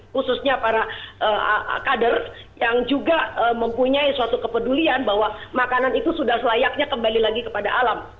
khususnya para kader yang juga mempunyai suatu kepedulian bahwa makanan itu sudah selayaknya kembali lagi kepada alam